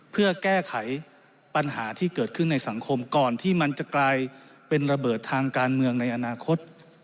เพื่อแก้ไขปัญหาที่เกิดขึ้นในสังคมก่อนที่มันจะกลายเป็นระเบิดทางการเมืองในอนาคต